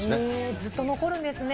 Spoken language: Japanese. ずっと残るんですね。